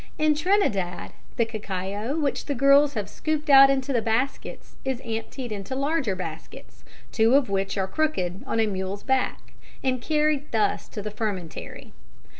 In Trinidad the cacao which the girls have scooped out into the baskets is emptied into larger baskets, two of which are "crooked" on a mule's back, and carried thus to the fermentary.